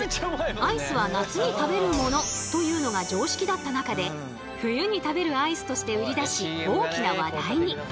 「アイスは夏に食べるもの」というのが常識だった中で「冬に食べるアイス」として売り出し大きな話題に。